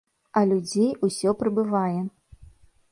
А людзей ўсё прыбывае.